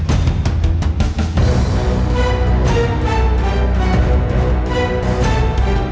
hai capcus dibuka dong